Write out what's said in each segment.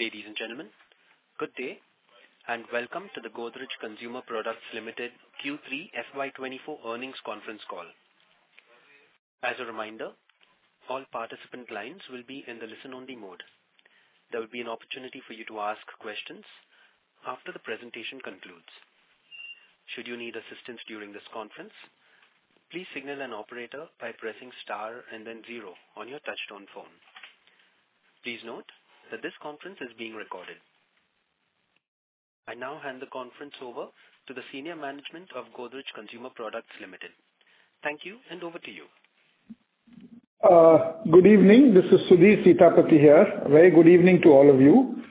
Ladies and gentlemen, good day, and welcome to the Godrej Consumer Products Limited Q3 FY 2024 earnings conference call. As a reminder, all participant lines will be in the listen-only mode. There will be an opportunity for you to ask questions after the presentation concludes. Should you need assistance during this conference, please signal an operator by pressing star and then zero on your touchtone phone. Please note that this conference is being recorded. I now hand the conference over to the senior management of Godrej Consumer Products Limited. Thank you, and over to you. Good evening. This is Sudhir Sitapati here. A very good evening to all of you.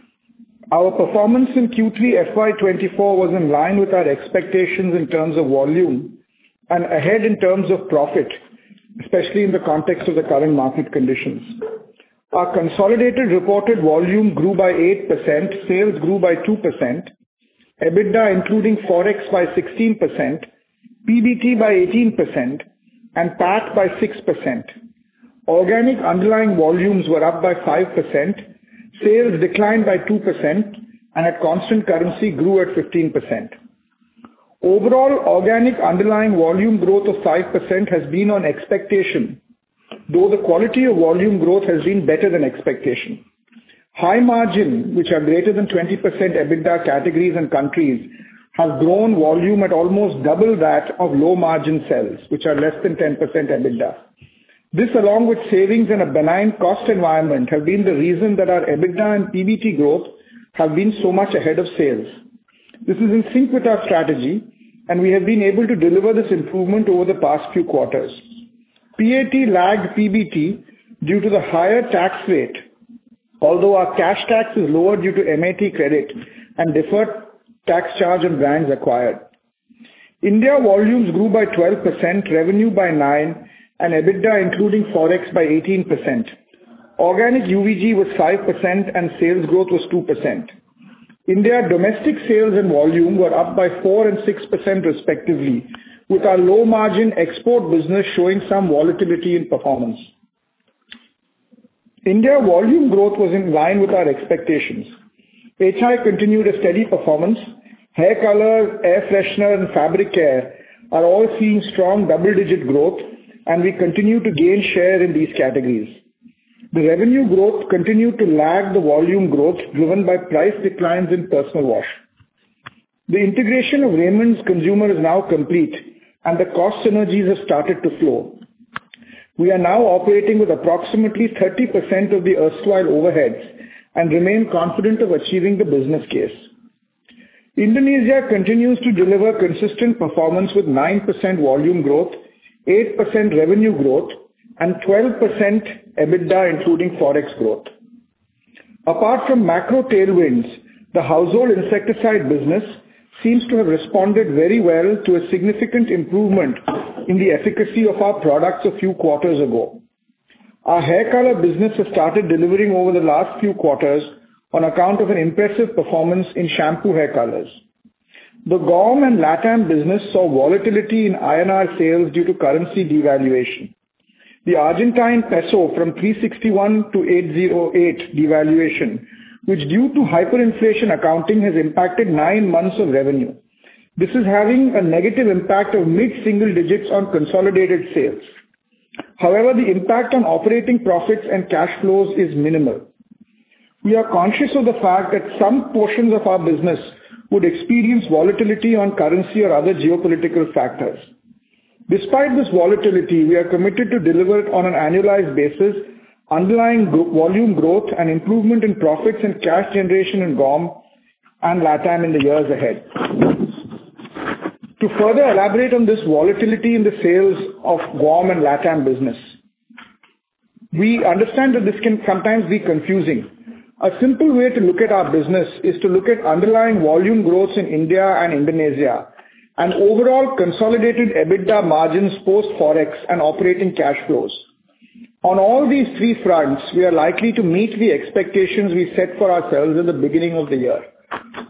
Our performance in Q3 FY 2024 was in line with our expectations in terms of volume and ahead in terms of profit, especially in the context of the current market conditions. Our consolidated reported volume grew by 8%, sales grew by 2%, EBITDA, including forex, by 16%, PBT by 18%, and PAT by 6%. Organic underlying volumes were up by 5%, sales declined by 2%, and at constant currency grew at 15%. Overall, organic underlying volume growth of 5% has been on expectation, though the quality of volume growth has been better than expectation. High margin, which are greater than 20% EBITDA categories and countries, have grown volume at almost double that of low-margin sales, which are less than 10% EBITDA. This, along with savings in a benign cost environment, have been the reason that our EBITDA and PBT growth have been so much ahead of sales. This is in sync with our strategy, and we have been able to deliver this improvement over the past few quarters. PAT lagged PBT due to the higher tax rate, although our cash tax is lower due to MAT credit and deferred tax charge on brands acquired. India volumes grew by 12%, revenue by 9%, and EBITDA, including Forex, by 18%. Organic UVG was 5% and sales growth was 2%. India domestic sales and volume were up by 4% and 6%, respectively, with our low-margin export business showing some volatility in performance. India volume growth was in line with our expectations. HI continued a steady performance. Hair color, air freshener, and fabric care are all seeing strong double-digit growth, and we continue to gain share in these categories. The revenue growth continued to lag the volume growth, driven by price declines in personal wash. The integration of Raymond Consumer is now complete, and the cost synergies have started to flow. We are now operating with approximately 30% of the erstwhile overheads and remain confident of achieving the business case. Indonesia continues to deliver consistent performance with 9% volume growth, 8% revenue growth, and 12% EBITDA, including Forex growth. Apart from macro tailwinds, the household insecticide business seems to have responded very well to a significant improvement in the efficacy of our products a few quarters ago. Our hair color business has started delivering over the last few quarters on account of an impressive performance in shampoo hair colors. The GAUM and LATAM business saw volatility in INR sales due to currency devaluation. The Argentine peso from 361 to 808 devaluation, which, due to hyperinflation accounting, has impacted nine months of revenue. This is having a negative impact of mid-single digits on consolidated sales. However, the impact on operating profits and cash flows is minimal. We are conscious of the fact that some portions of our business would experience volatility on currency or other geopolitical factors. Despite this volatility, we are committed to deliver on an annualized basis, underlying volume growth and improvement in profits and cash generation in GAUM and LATAM in the years ahead. To further elaborate on this volatility in the sales of GAUM and LATAM business, we understand that this can sometimes be confusing. A simple way to look at our business is to look at underlying volume growth in India and Indonesia and overall consolidated EBITDA margins, post-Forex and operating cash flows. On all these three fronts, we are likely to meet the expectations we set for ourselves at the beginning of the year.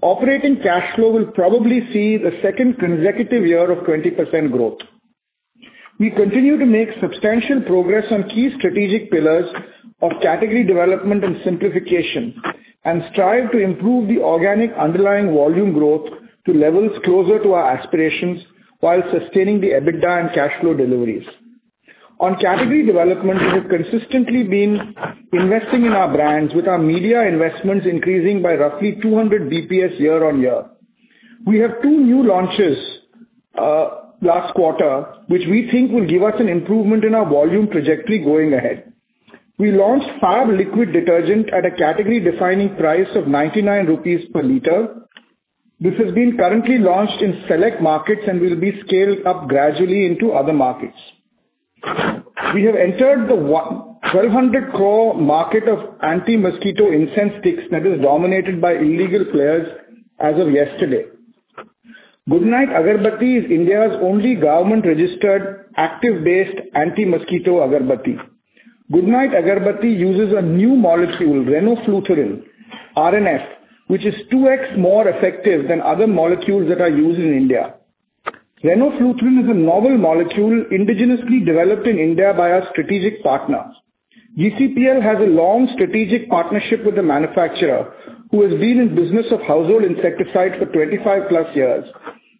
Operating cash flow will probably see the second consecutive year of 20% growth. We continue to make substantial progress on key strategic pillars of category development and simplification, and strive to improve the organic underlying volume growth to levels closer to our aspirations while sustaining the EBITDA and cash flow deliveries. On category development, we have consistently been investing in our brands, with our media investments increasing by roughly 200 BPS year-on-year. We have two new launches last quarter, which we think will give us an improvement in our volume trajectory going ahead. We launched Fab liquid detergent at a category-defining price of 99 rupees per liter. This has been currently launched in select markets and will be scaled up gradually into other markets. We have entered the 1,200 crore market of anti-mosquito incense sticks that is dominated by illegal players as of yesterday. Goodknight Agarbatti is India's only government-registered active-based anti-mosquito agarbatti. Goodknight Agarbatti uses a new molecule, Renofluthrin, RNF, which is 2x more effective than other molecules that are used in India.... Renofluthrin is a novel molecule indigenously developed in India by our strategic partner. GCPL has a long strategic partnership with the manufacturer, who has been in business of household insecticides for 25+ years,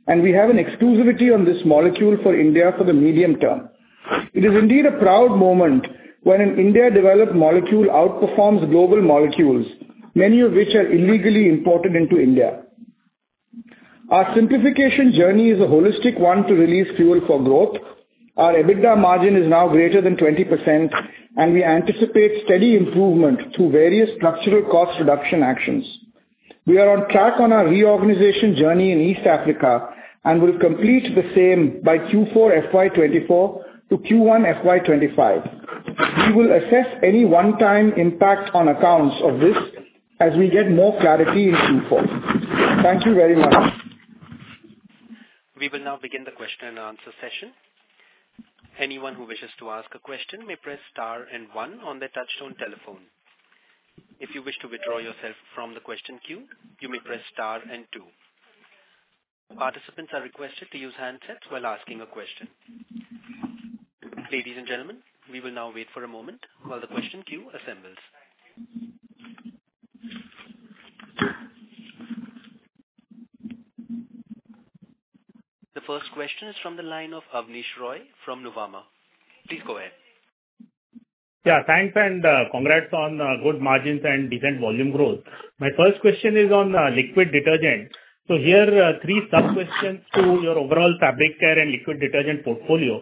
and we have an exclusivity on this molecule for India for the medium term. It is indeed a proud moment when an India-developed molecule outperforms global molecules, many of which are illegally imported into India. Our simplification journey is a holistic one to release fuel for growth. Our EBITDA margin is now greater than 20%, and we anticipate steady improvement through various structural cost reduction actions. We are on track on our reorganization journey in East Africa, and will complete the same by Q4 FY 2024 to Q1 FY 2025. We will assess any one-time impact on accounts of this as we get more clarity in Q4. Thank you very much. We will now begin the question-and-answer session. Anyone who wishes to ask a question may press star and one on their touchtone telephone. If you wish to withdraw yourself from the question queue, you may press star and two. Participants are requested to use handsets while asking a question. Ladies and gentlemen, we will now wait for a moment while the question queue assembles. The first question is from the line of Abneesh Roy from Nuvama. Please go ahead. Yeah, thanks, and, congrats on, good margins and decent volume growth. My first question is on, liquid detergent. So here are three sub-questions to your overall fabric care and liquid detergent portfolio.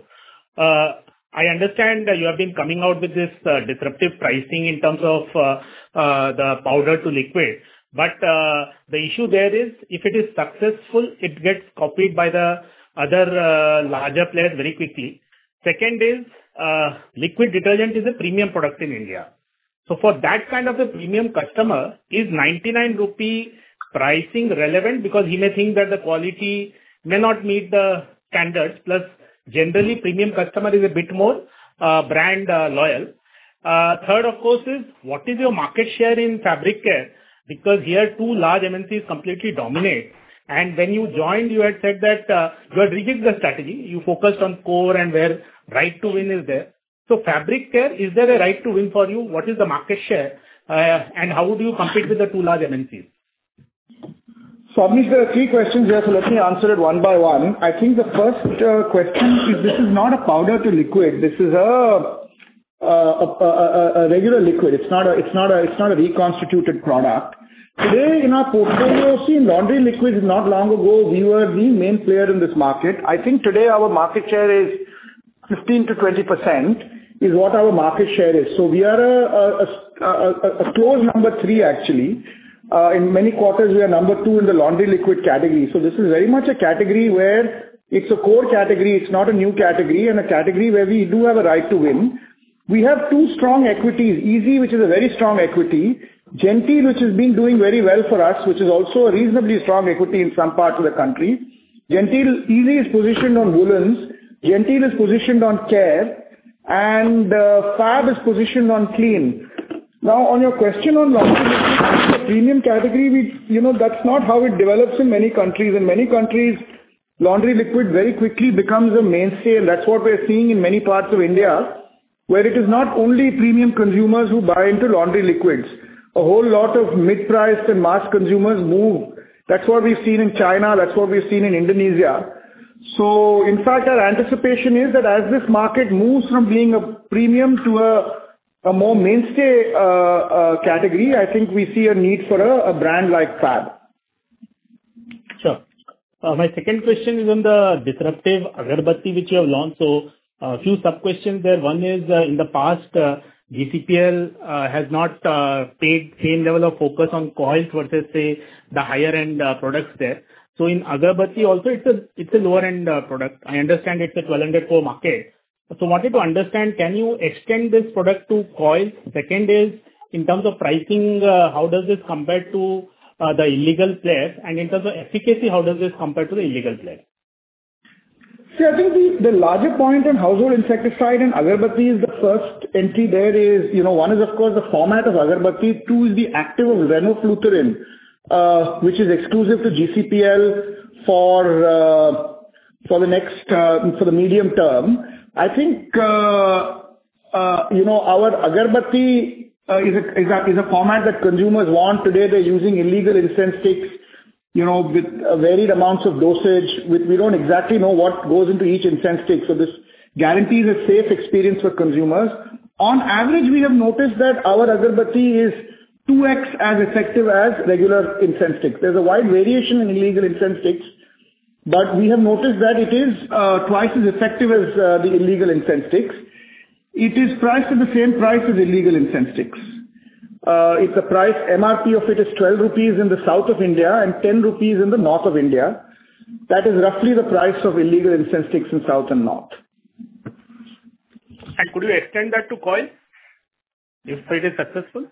I understand that you have been coming out with this, disruptive pricing in terms of, the powder to liquid, but, the issue there is, if it is successful, it gets copied by the other, larger players very quickly. Second is, liquid detergent is a premium product in India. So for that kind of a premium customer, is 99 rupee pricing relevant? Because he may think that the quality may not meet the standards, plus, generally, premium customer is a bit more, brand, loyal. Third, of course, is what is your market share in fabric care? Because here two large MNCs completely dominate. When you joined, you had said that you had redid the strategy. You focused on core and where right to win is there. So fabric care, is there a right to win for you? What is the market share, and how would you compete with the two large MNCs? So Abneesh, there are three questions here, so let me answer it one by one. I think the first question is, this is not a powder to liquid. This is a regular liquid. It's not a reconstituted product. Today, in our portfolio, see, laundry liquid, not long ago, we were the main player in this market. I think today our market share is 15%-20%, is what our market share is. So we are a close number three, actually. In many quarters, we are number two in the laundry liquid category. So this is very much a category where it's a core category, it's not a new category, and a category where we do have a right to win. We have two strong equities: Ezee, which is a very strong equity, Genteel, which has been doing very well for us, which is also a reasonably strong equity in some parts of the country. Genteel. Ezee is positioned on woolens, Genteel is positioned on care, and Fab is positioned on clean. Now, on your question on laundry, a premium category, we, you know, that's not how it develops in many countries. In many countries, laundry liquid very quickly becomes a mainstay. That's what we're seeing in many parts of India, where it is not only premium consumers who buy into laundry liquids. A whole lot of mid-priced and mass consumers move. That's what we've seen in China. That's what we've seen in Indonesia. So in fact, our anticipation is that as this market moves from being a premium to a more mainstay category, I think we see a need for a brand like Fab. Sure. My second question is on the disruptive Agarbatti, which you have launched. So a few sub-questions there. One is, in the past, GCPL has not paid same level of focus on coils versus, say, the higher-end products there. So in Agarbatti also, it's a lower-end product. I understand it's a 1,200 crore market. So I wanted to understand, can you extend this product to coils? Second is, in terms of pricing, how does this compare to the illegal players, and in terms of efficacy, how does this compare to the illegal players? See, I think the larger point on household insecticides and Agarbatti is the first entry there is, you know, one is of course the format of Agarbatti, two is the active Renofluthrin, which is exclusive to GCPL for the medium term. I think, you know, our Agarbatti is a format that consumers want. Today, they're using illegal incense sticks, you know, with varied amounts of dosage. We don't exactly know what goes into each incense stick, so this guarantees a safe experience for consumers. On average, we have noticed that our Agarbatti is 2x as effective as regular incense sticks. There's a wide variation in illegal incense sticks, but we have noticed that it is twice as effective as the illegal incense sticks. It is priced at the same price as illegal incense sticks. It's a price, MRP of it is 12 rupees in the South of India and 10 rupees in the North of India. That is roughly the price of illegal incense sticks in South and North. Could you extend that to coil if it is successful?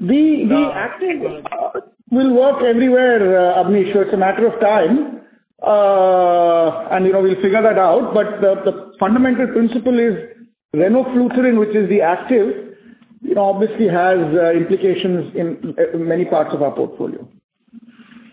The active will work everywhere, Abneesh, so it's a matter of time, and, you know, we'll figure that out. But the fundamental principle is Renofluthrin, which is the active... It obviously has implications in many parts of our portfolio.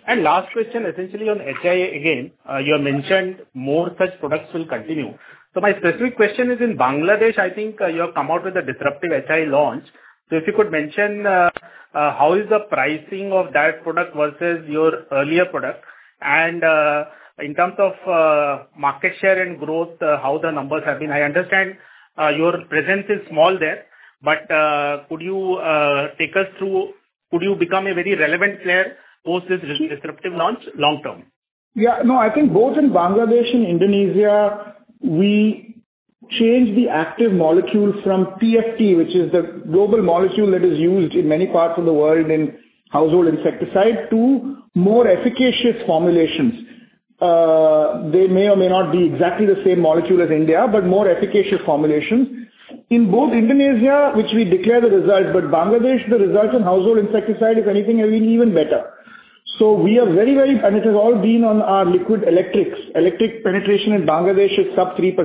Last question, essentially on HI again. You have mentioned more such products will continue. So my specific question is, in Bangladesh, I think you have come out with a disruptive HI launch. So if you could mention, how is the pricing of that product versus your earlier product? And, in terms of, market share and growth, how the numbers have been. I understand, your presence is small there, but, could you, take us through... Could you become a very relevant player post this disruptive launch, long term? Yeah. No, I think both in Bangladesh and Indonesia, we changed the active molecule from TFT, which is the global molecule that is used in many parts of the world in household insecticide, to more efficacious formulations. They may or may not be exactly the same molecule as India, but more efficacious formulations. In both Indonesia, which we declare the results, but Bangladesh, the results on household insecticide, if anything, have been even better. So we are very, very—and it has all been on our liquid electrics. Electric penetration in Bangladesh is sub-3%,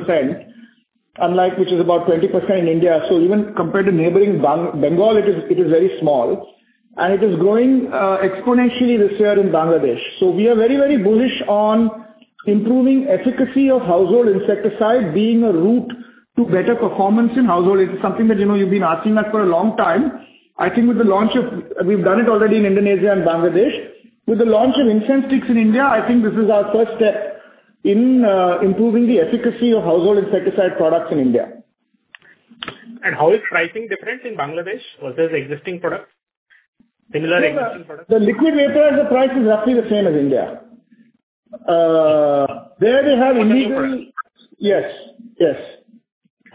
unlike, which is about 20% in India. So even compared to neighboring Bangladesh, it is, it is very small, and it is growing exponentially this year in Bangladesh. So we are very, very bullish on improving efficacy of household insecticide being a route to better performance in household. It's something that, you know, you've been asking us for a long time. I think with the launch of... We've done it already in Indonesia and Bangladesh. With the launch of incense sticks in India, I think this is our first step in improving the efficacy of household insecticide products in India. How is pricing different in Bangladesh versus existing products, similar existing products? The liquid vapor, the price is roughly the same as India. There they have illegal- Yes, yes.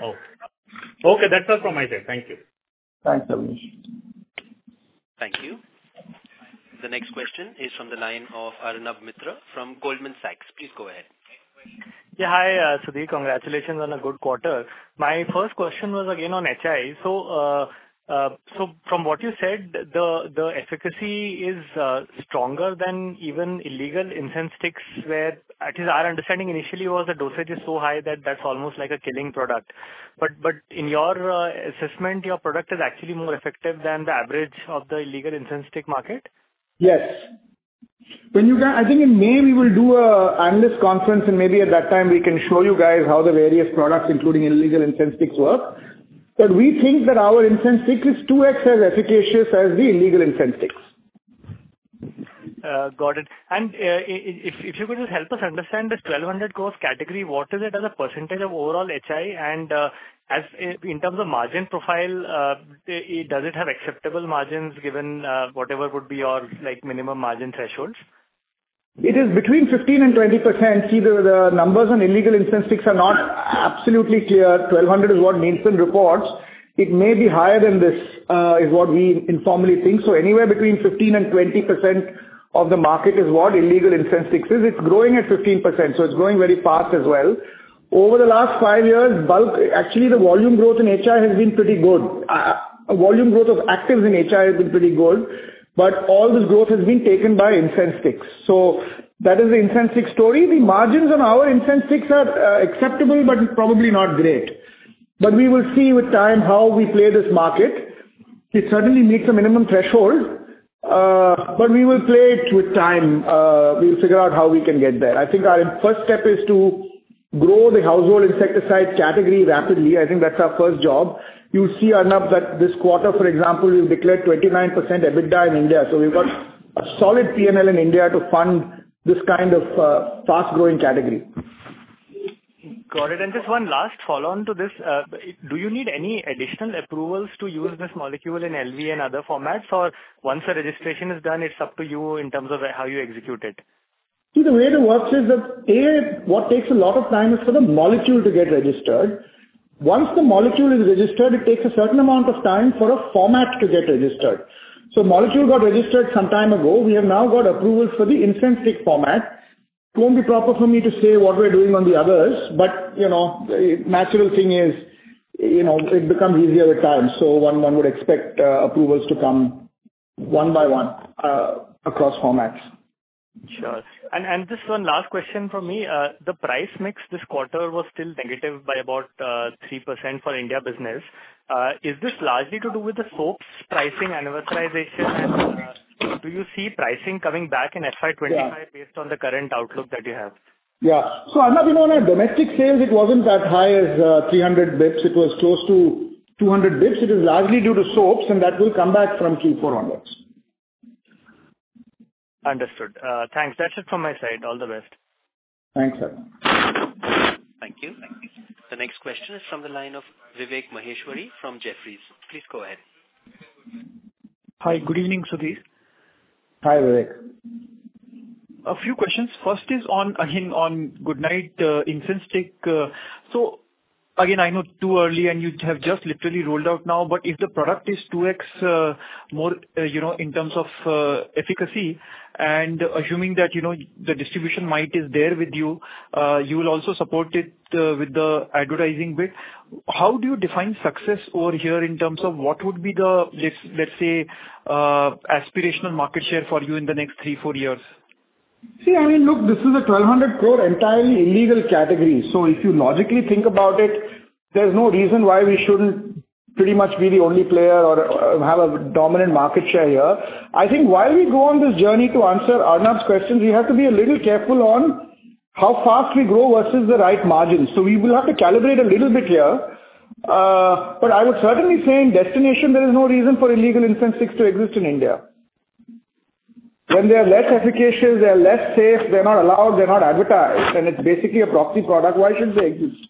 Oh. Okay, that's all from my side. Thank you. Thanks, Abneesh. Thank you. The next question is from the line of Arnab Mitra from Goldman Sachs. Please go ahead. Yeah, hi, Sudhir. Congratulations on a good quarter. My first question was again on HI. So, from what you said, the efficacy is stronger than even illegal incense sticks, where, at lEast our understanding initially was that dosage is so high that that's almost like a killing product. But in your assessment, your product is actually more effective than the average of the illegal incense stick market? Yes. When you guys, I think in May we will do an analyst conference, and maybe at that time we can show you guys how the various products, including illegal incense sticks, work. But we think that our incense stick is 2x as efficacious as the illegal incense sticks. Got it. And, if you could just help us understand this 1,200 crore category, what is it as a percent of overall HI? And, in terms of margin profile, does it have acceptable margins, given whatever would be your, like, minimum margin thresholds? It is between 15% and 20%. See, the numbers on illegal incense sticks are not absolutely clear. 1,200 is what Nielsen reports. It may be higher than this, is what we informally think. So anywhere between 15% and 20% of the market is what illegal incense sticks is. It's growing at 15%, so it's growing very fast as well. Over the last five years, bulk—actually, the volume growth in HI has been pretty good. Volume growth of actives in HI has been pretty good, but all this growth has been taken by incense sticks. So that is the incense stick story. The margins on our incense sticks are, acceptable, but probably not great. But we will see with time how we play this market. It certainly meets the minimum threshold, but we will play it with time. We'll figure out how we can get there. I think our first step is to grow the household insecticide category rapidly. I think that's our first job. You'll see, Arnab, that this quarter, for example, we've declared 29% EBITDA in India, so we've got a solid P&L in India to fund this kind of fast-growing category. Got it. Just one last follow-on to this. Do you need any additional approvals to use this molecule in LV and other formats, or once the registration is done, it's up to you in terms of how you execute it? See, the way it works is that, A, what takes a lot of time is for the molecule to get registered. Once the molecule is registered, it takes a certain amount of time for a format to get registered. So molecule got registered some time ago. We have now got approval for the incense stick format. It won't be proper for me to say what we're doing on the others, but, you know, natural thing is, you know, it becomes easier with time, so one, one would expect, approvals to come one by one, across formats. Sure. And just one last question from me. The price mix this quarter was still negative by about 3% for India business. Is this largely to do with the soaps pricing amortization? And do you see pricing coming back in FY 2025? Yeah based on the current outlook that you have? Yeah. So, Arnav, you know, on our domestic sales, it wasn't that high as 300 basis points. It was close to 200 basis points. It is largely due to soaps, and that will come back from Q4 onwards. Understood. Thanks. That's it from my side. All the best. Thanks, Arnab. Thank you. The next question is from the line of Vivek Maheshwari from Jefferies. Please go ahead. Hi, good evening, Sudhir. Hi, Vivek. A few questions. First is on, again, on Goodknight incense stick. So again, I know too early, and you have just literally rolled out now, but if the product is 2x more, you know, in terms of efficacy, and assuming that, you know, the distribution might is there with you, you will also support it with the advertising bit. How do you define success over here in terms of what would be the, let's, let's say, aspirational market share for you in the next three to four years?... See, I mean, look, this is an 1,200 crore entirely illegal category. So if you logically think about it, there's no reason why we shouldn't pretty much be the only player or have a dominant market share here. I think while we go on this journey to answer Arnav's question, we have to be a little careful on how fast we grow versus the right margin. So we will have to calibrate a little bit here. But I would certainly say in destination, there is no reason for illegal incense sticks to exist in India. When they are less efficacious, they are less safe, they're not allowed, they're not advertised, and it's basically a proxy product, why should they exist?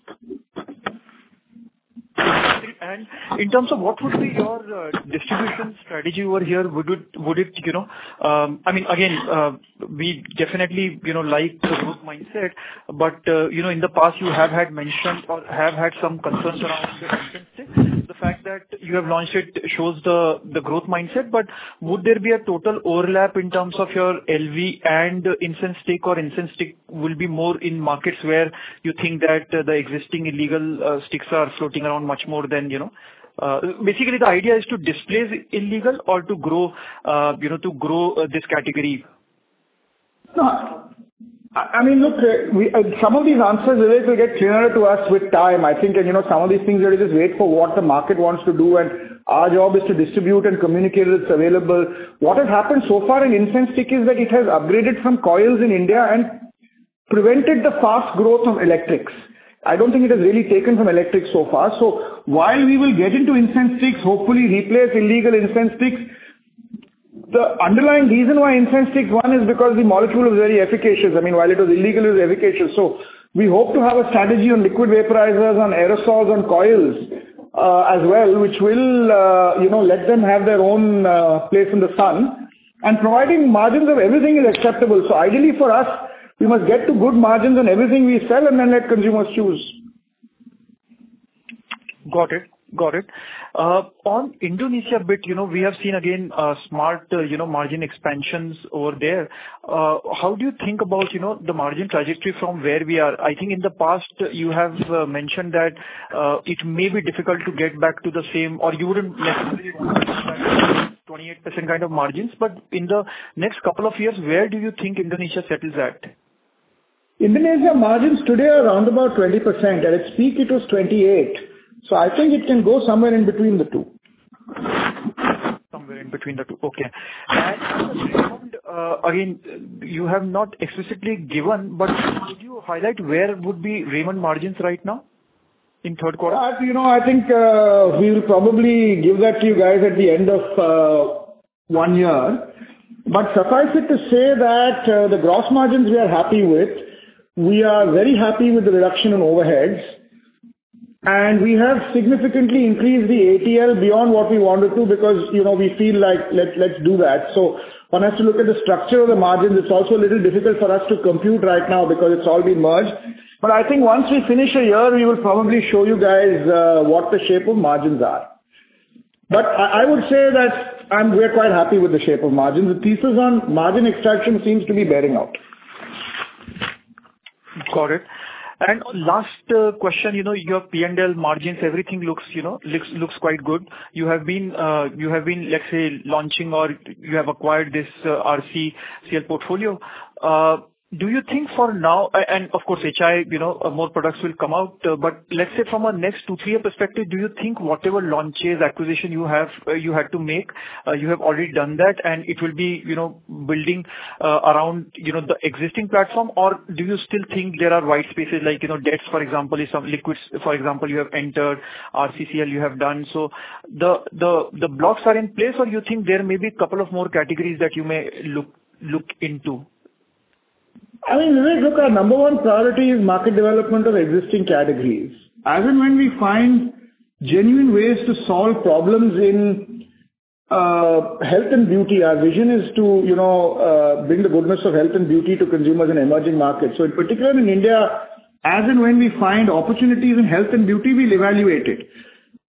In terms of what would be your distribution strategy over here, would it, you know, I mean, again, we definitely, you know, like the growth mindset, but, you know, in the past, you have had mentioned or have had some concerns around the incense stick. The fact that you have launched it shows the growth mindset, but would there be a total overlap in terms of your LV and incense stick, or incense stick will be more in markets where you think that the existing illegal sticks are floating around much more than, you know? Basically, the idea is to displace illegal or to grow, you know, to grow this category. No. I, I mean, look, we, some of these answers, Vivek, will get clearer to us with time, I think. You know, some of these things we just wait for what the market wants to do, and our job is to distribute and communicate that it's available. What has happened so far in incense stick is that it has upgraded from coils in India and prevented the fast growth of electrics. I don't think it has really taken from electric so far. So while we will get into incense sticks, hopefully replace illegal incense sticks, the underlying reason why incense sticks, one, is because the molecule is very efficacious. I mean, while it was illegal, it was efficacious. So we hope to have a strategy on liquid vaporizers, on aerosols, on coils, as well, which will, you know, let them have their own place in the sun, and providing margins of everything is acceptable. So ideally, for us, we must get to good margins on everything we sell and then let consumers choose. Got it. Got it. On Indonesia bit, you know, we have seen again, smart, you know, margin expansions over there. How do you think about, you know, the margin trajectory from where we are? I think in the past, you have mentioned that, it may be difficult to get back to the same or you wouldn't necessarily want 28% kind of margins. But in the next couple of years, where do you think Indonesia settles at? Indonesia margins today are around about 20%. At its peak, it was 28%, so I think it can go somewhere in between the two. Somewhere in between the two. Okay. And, again, you have not explicitly given, but could you highlight where would be Raymond margins right now in third quarter? As you know, I think, we'll probably give that to you guys at the end of one year. But suffice it to say that the gross margins we are happy with. We are very happy with the reduction in overheads, and we have significantly increased the ATL beyond what we wanted to, because, you know, we feel like, let's, let's do that. So one has to look at the structure of the margins. It's also a little difficult for us to compute right now because it's all been merged. But I think once we finish a year, we will probably show you guys what the shape of margins are. But I, I would say that I'm, we're quite happy with the shape of margins. The thesis on margin extraction seems to be bearing out. Got it. And last question, you know, your P&L margins, everything looks, you know, looks quite good. You have been, let's say, launching or you have acquired this RCCL portfolio. Do you think for now... And of course, HI, you know, more products will come out. But let's say from a next two, three-year perspective, do you think whatever launches, acquisition you have, you had to make, you have already done that, and it will be, you know, building around, you know, the existing platform? Or do you still think there are white spaces like, you know, deos, for example, some liquids, for example, you have entered, RCCL, you have done. So the blocks are in place, or you think there may be a couple of more categories that you may look into? I mean, Vivek, look, our number one priority is market development of existing categories. As and when we find genuine ways to solve problems in health and beauty, our vision is to, you know, bring the goodness of health and beauty to consumers in emerging markets. So in particular, in India, as and when we find opportunities in health and beauty, we'll evaluate it.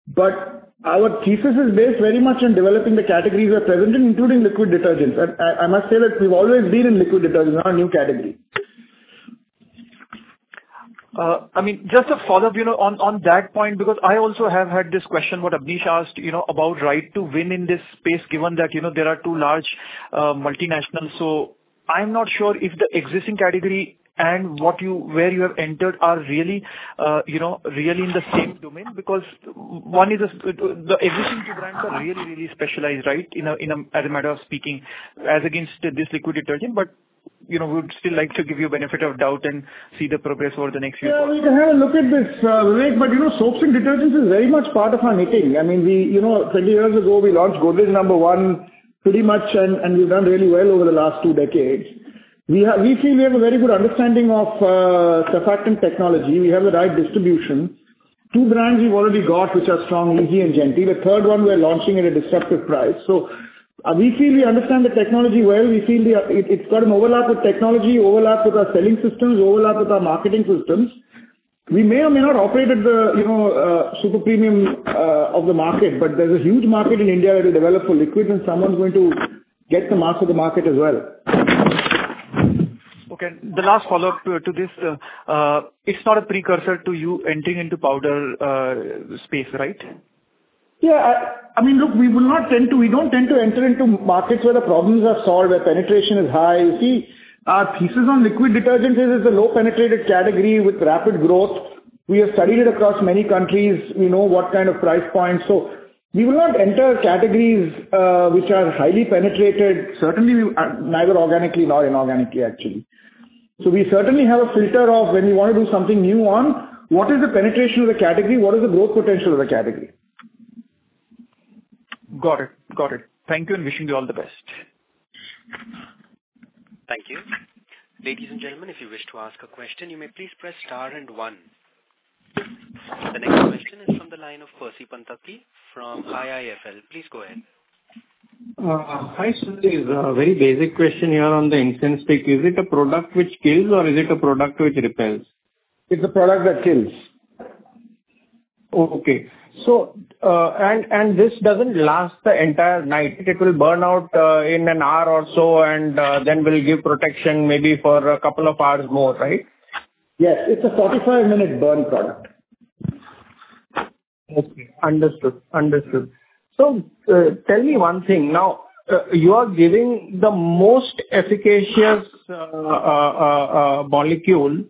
But our thesis is based very much on developing the categories we are present in, including liquid detergents. I must say that we've always been in liquid detergents, not a new category. I mean, just a follow-up, you know, on that point, because I also have had this question, what Abneesh asked, you know, about right to win in this space, given that, you know, there are two large multinationals. So I'm not sure if the existing category and what you, where you have entered are really, you know, really in the same domain, because one is the existing two brands are really, really specialized, right? In a, as a matter of speaking, as against this liquid detergent. But, you know, we would still like to give you benefit of doubt and see the progress over the next few quarters. Yeah, we can have a look at this, Vivek, but, you know, soaps and detergents is very much part of our making. I mean, we, you know, 20 years ago, we launched Godrej No. 1 pretty much, and, and we've done really well over the last two decades. We have—we feel we have a very good understanding of, surfactant technology. We have the right distribution. Two brands we've already got, which are strong, Ezee and Genteel. The third one, we're launching at a disruptive price. So, we feel we understand the technology well. We feel we are—it, it's got an overlap with technology, overlap with our selling systems, overlap with our marketing systems. We may or may not operate at the, you know, super premium of the market, but there's a huge market in India that will develop for liquid, and someone's going to get the mass of the market as well. Okay, the last follow-up to this, it's not a precursor to you entering into powder space, right?... Yeah, I, I mean, look, we will not tend to, we don't tend to enter into markets where the problems are solved, where penetration is high. You see, our thesis on liquid detergents is it's a low penetrated category with rapid growth. We have studied it across many countries. We know what kind of price points. So we will not enter categories, which are highly penetrated, certainly neither organically nor inorganically, actually. So we certainly have a filter of when we want to do something new on what is the penetration of the category, what is the growth potential of the category? Got it. Got it. Thank you, and wishing you all the best. Thank you. Ladies and gentlemen, if you wish to ask a question, you may please press star and one. The next question is from the line of Percy Panthaki from IIFL. Please go ahead. Hi, Sudhir It's a very basic question here on the incense stick. Is it a product which kills or is it a product which repels? It's a product that kills. Okay. So, and this doesn't last the entire night. It will burn out in an hour or so, and then will give protection maybe for a couple of hours more, right? Yes. It's a 45-minute burn product. Okay. Understood. Understood. So, tell me one thing. Now, you are giving the most efficacious molecule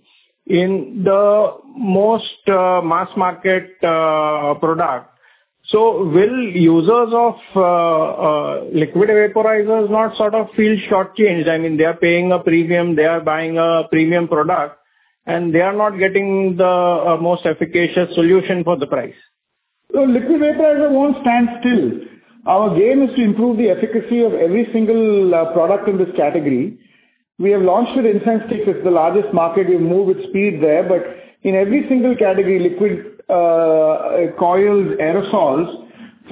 in the most mass market product. So will users of liquid vaporizers not sort of feel short-changed? I mean, they are paying a premium, they are buying a premium product, and they are not getting the most efficacious solution for the price. Liquid vaporizer won't stand still. Our game is to improve the efficacy of every single product in this category. We have launched with incense sticks. It's the largest market. We've moved with speed there, but in every single category, liquid, coils, aerosols,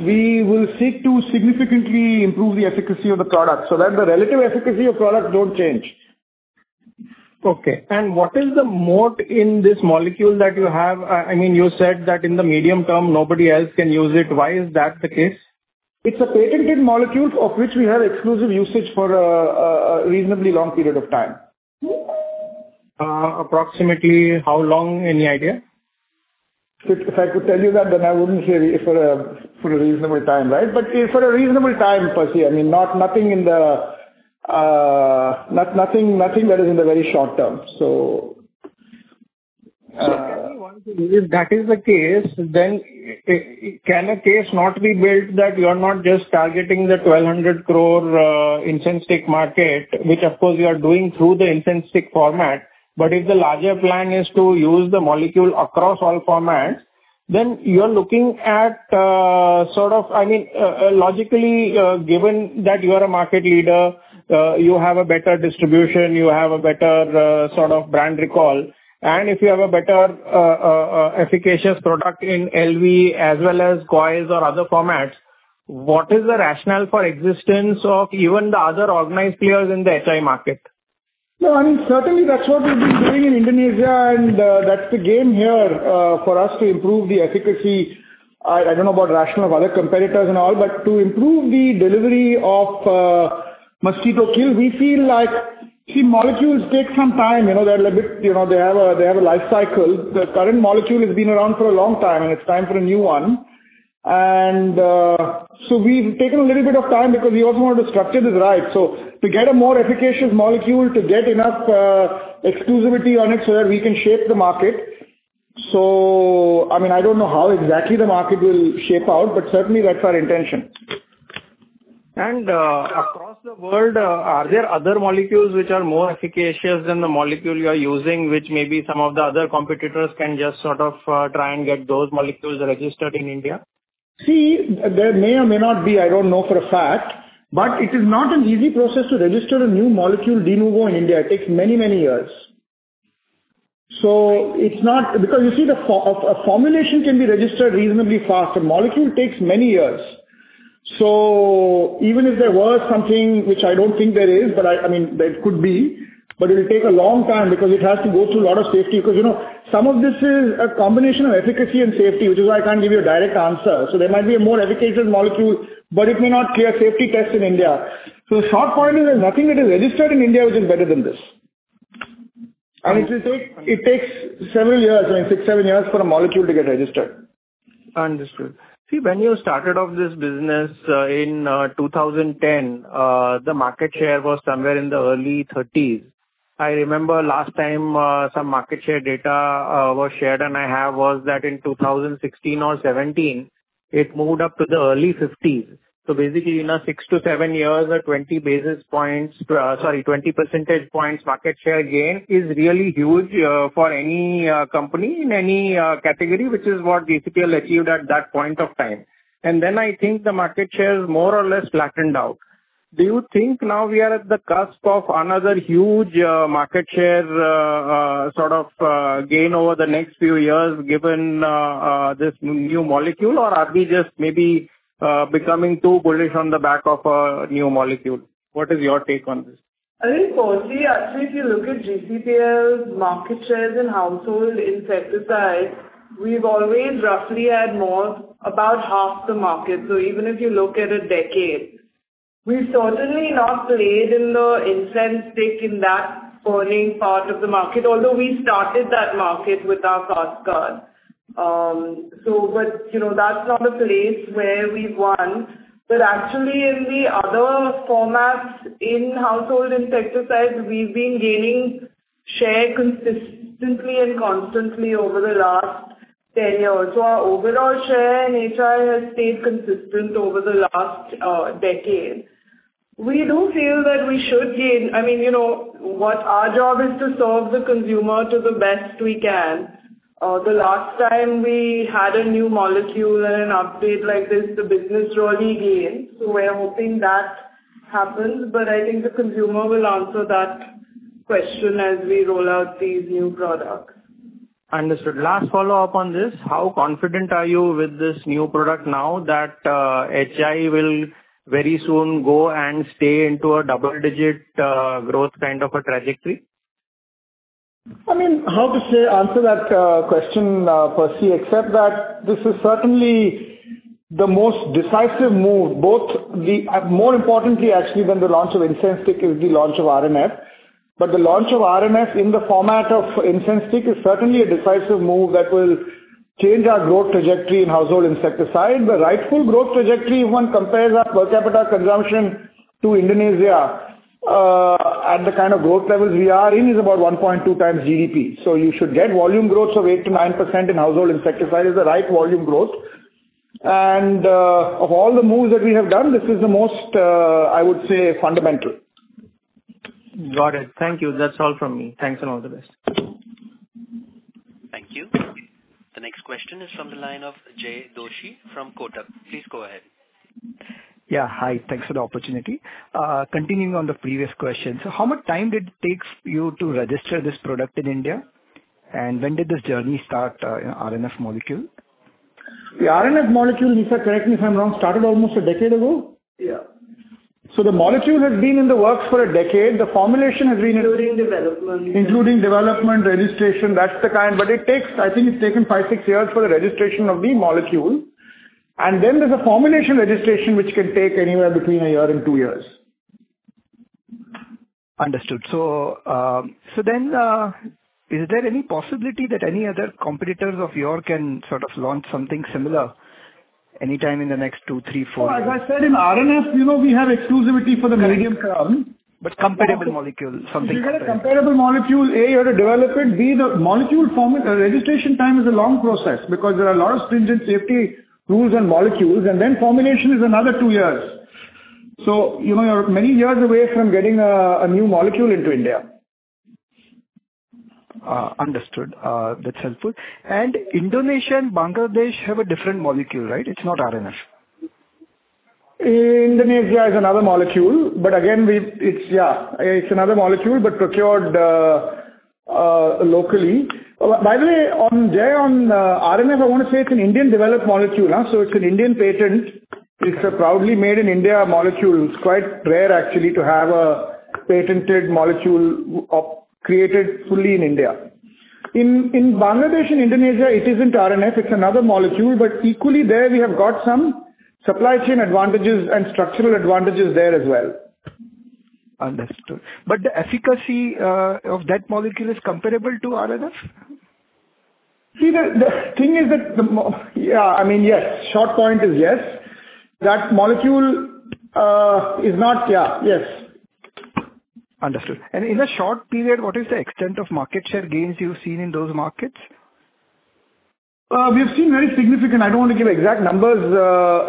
we will seek to significantly improve the efficacy of the product so that the relative efficacy of products don't change. Okay. And what is the moat in this molecule that you have? I mean, you said that in the medium term, nobody else can use it. Why is that the case? It's a patented molecule of which we have exclusive usage for a reasonably long period of time. Approximately how long? Any idea? If I could tell you that, then I wouldn't say for a, for a reasonable time, right? But for a reasonable time, Percy, I mean, not, nothing in the, not, nothing, nothing that is in the very short term. So, If that is the case, then can a case not be built that you are not just targeting the 1,200 crore incense stick market, which of course, you are doing through the incense stick format, but if the larger plan is to use the molecule across all formats, then you are looking at, sort of, I mean, logically, given that you are a market leader, you have a better distribution, you have a better efficacious product in LV as well as coils or other formats, what is the rationale for existence of even the other organized players in the HI market? No, I mean, certainly that's what we've been doing in Indonesia, and, that's the game here, for us to improve the efficacy. I don't know about rationale of other competitors and all, but to improve the delivery of, mosquito kill, we feel like... See, molecules take some time, you know, they're a little bit, you know, they have a life cycle. The current molecule has been around for a long time, and it's time for a new one. And, so we've taken a little bit of time because we also want to structure this right. So to get a more efficacious molecule, to get enough, exclusivity on it so that we can shape the market. So, I mean, I don't know how exactly the market will shape out, but certainly that's our intention. Across the world, are there other molecules which are more efficacious than the molecule you are using, which maybe some of the other competitors can just sort of try and get those molecules registered in India? See, there may or may not be. I don't know for a fact, but it is not an Ezee process to register a new molecule de novo in India. It takes many, many years. So it's not... Because, you see, a formulation can be registered reasonably fast. A molecule takes many years. So even if there was something, which I don't think there is, but I mean, there could be, but it'll take a long time because it has to go through a lot of safety, because, you know, some of this is a combination of efficacy and safety, which is why I can't give you a direct answer. So there might be a more efficacious molecule, but it may not clear safety tests in India. So the short point is, there's nothing that is registered in India, which is better than this. It will take, it takes several years, I mean, six to seven years for a molecule to get registered. Understood. See, when you started off this business, in 2010, the market share was somewhere in the early 30s. I remember last time, some market share data was shared. Was that in 2016 or 2017, it moved up to the early 50s. So basically, in a six to seven years or 20 basis points, sorry, 20 percentage points, market share gain is really huge, for any company in any category, which is what GCPL achieved at that point of time. And then I think the market share is more or less flattened out. Do you think now we are at the cusp of another huge, market share sort of gain over the next few years, given this new molecule? Or are we just maybe becoming too bullish on the back of a new molecule? What is your take on this? I think, Percy, actually, if you look at GCPL's market shares in household insecticides, we've always roughly had more, about half the market. So even if you look at a decade. We've certainly not played in the incense stick in that burning part of the market, although we started that market with our Fast Card. So but, you know, that's not a place where we've won. But actually, in the other formats, in household insecticides, we've been gaining share consistently and constantly over the last 10 years. So our overall share in HI has stayed consistent over the last decade. We do feel that we should gain. I mean, you know, what our job is to serve the consumer to the best we can. The last time we had a new molecule and an upgrade like this, the business really gained, so we're hoping that happens. I think the consumer will answer that question as we roll out these new products. Understood. Last follow-up on this: How confident are you with this new product now that HI will very soon go and stay into a double-digit growth kind of a trajectory? I mean, how to say, answer that question per se, except that this is certainly the most decisive move, both the... More importantly, actually, than the launch of incense stick is the launch of RNF. But the launch of RNF in the format of incense stick is certainly a decisive move that will change our growth trajectory in household insecticide. The rightful growth trajectory, if one compares our per capita consumption to Indonesia, at the kind of growth levels we are in, is about 1.2x GDP. So you should get volume growth of 8%-9% in household insecticide, is the right volume growth. And, of all the moves that we have done, this is the most, I would say, fundamental. Got it. Thank you. That's all from me. Thanks, and all the best. Thank you. The next question is from the line of Jay Doshi from Kotak. Please go ahead. Yeah. Hi. Thanks for the opportunity. Continuing on the previous question, so how much time did it take you to register this product in India, and when did this journey start, in RNF molecule? The RNF molecule, Nisaba, correct me if I'm wrong, started almost a decade ago? Yeah. So the molecule has been in the works for a decade. The formulation has been- Including development. Including development, registration, that's the kind... But it takes, I think it's taken five to six years for the registration of the molecule, and then there's a formulation registration, which can take anywhere between a year and two years. Understood. So then, is there any possibility that any other competitors of yours can sort of launch something similar anytime in the next two, three, four years? Like I said, in RNF, you know, we have exclusivity for the medium brand. But comparable molecule, something comparable. If you get a comparable molecule, A, you have to develop it, B, the molecule form, registration time is a long process because there are a lot of stringent safety rules and molecules, and then formulation is another two years. So you are many years away from getting a, a new molecule into India. Understood. That's helpful. And Indonesia and Bangladesh have a different molecule, right? It's not RNF. Indonesia is another molecule, but again, we. It's, yeah, it's another molecule, but procured locally. By the way, on the RNF, I want to say it's an Indian-developed molecule, huh? So it's an Indian patent. It's a proudly made in India molecule. It's quite rare actually, to have a patented molecule created fully in India. In Bangladesh and Indonesia, it isn't RNF, it's another molecule, but equally there, we have got some supply chain advantages and structural advantages there as well. Understood. But the efficacy of that molecule is comparable to RNF? See, the thing is that. Yeah, I mean, yes, short point is yes, that molecule is not, yeah, yes. Understood. In a short period, what is the extent of market share gains you've seen in those markets? We have seen very significant... I don't want to give exact numbers,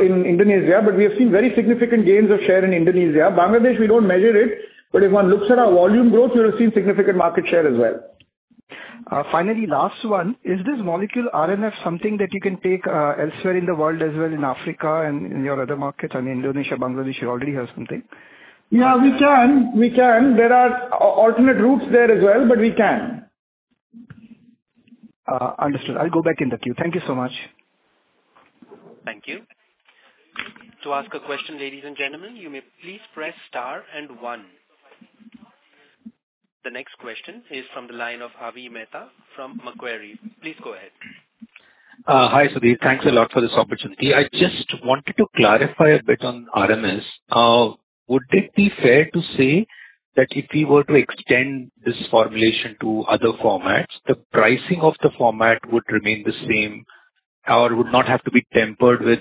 in Indonesia, but we have seen very significant gains of share in Indonesia. Bangladesh, we don't measure it, but if one looks at our volume growth, you'll have seen significant market share as well. Finally, last one. Is this molecule, RNF, something that you can take elsewhere in the world, as well, in Africa and in your other markets? I mean, Indonesia, Bangladesh, you already have something. Yeah, we can. We can. There are alternate routes there as well, but we can. Understood. I'll go back in the queue. Thank you so much. Thank you. To ask a question, ladies and gentlemen, you may please press star and one. The next question is from the line of Avi Mehta from Macquarie. Please go ahead. Hi, Sudhir. Thanks a lot for this opportunity. I just wanted to clarify a bit on RNF. Would it be fair to say that if we were to extend this formulation to other formats, the pricing of the format would remain the same or would not have to be tempered with,